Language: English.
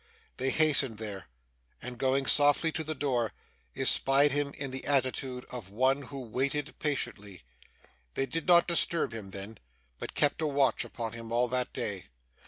They hastened there, and going softly to the door, espied him in the attitude of one who waited patiently. They did not disturb him then, but kept a watch upon him all that day.